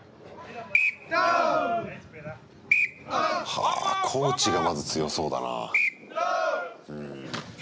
はぁコーチがまず強そうだな。